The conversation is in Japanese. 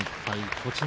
栃ノ